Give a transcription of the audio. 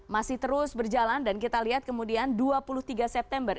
masih terus berjalan dan kita lihat kemudian dua puluh tiga september